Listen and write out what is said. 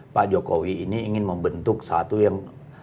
pak jokowi ini ingin membentuk satu yang